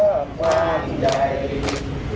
พักความรู้ใจอยู่ที่หล่อเขา